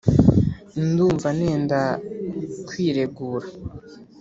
Ndumva nenda kwiregura